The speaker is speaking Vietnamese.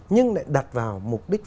nhưng lại đặt vào mục đích